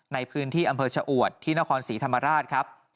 ในพื้นที่อำเภอชะอวดที่นครศรีธรรมราชครับ